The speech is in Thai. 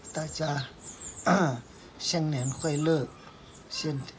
สวัสดีครับทุกคน